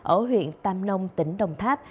ở huyện tàm nông tỉnh đồng tháp